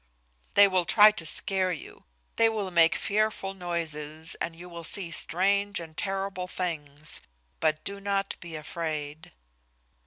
They will try to scare you; they will make fearful noises and you will see strange and terrible things, but do not be afraid."